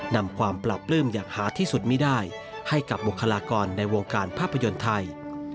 นำความปราบปลื้มอย่างหาที่สุดไม่ได้ให้กับบุคลากรในวงการภาพยนตร์ไทย